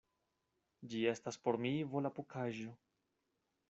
Ĝi estas por mi volapukaĵo.